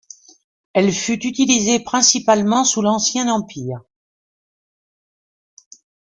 Elle fut utilisée principalement sous l'Ancien Empire.